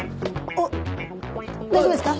おっ大丈夫ですか？